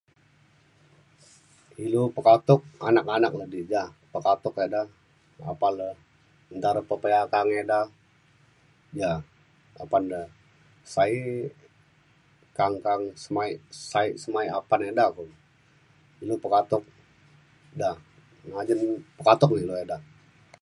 ilu pekatuk anak-anak le di ja, pekatuk eda apan le nta re pepe'a ka'ang eda ja apan re sa'ek ka'ang ka'ang semaik saa'ek semaik apan eda kulu. ilu pekatuk da. ngajen pekatuk ne ilu eda.